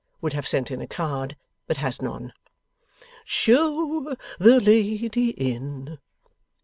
Would have sent in a card, but has none. 'Show the lady in.